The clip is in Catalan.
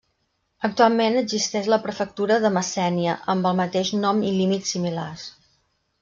Actualment existeix la prefectura de Messènia amb el mateix nom i límits similars.